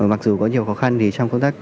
mặc dù có nhiều khó khăn thì trong công tác